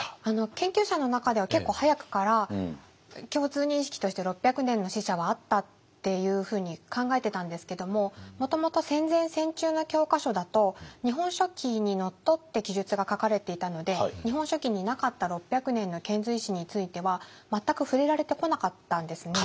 研究者の中では結構早くから共通認識として６００年の使者はあったっていうふうに考えてたんですけどももともと戦前戦中の教科書だと「日本書紀」にのっとって記述が書かれていたので「日本書紀」になかった６００年の遣隋使については全く触れられてこなかったんですね。